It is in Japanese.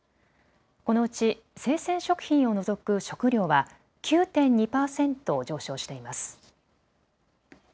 このうち生鮮食品を除く食料は９．２％上昇しています。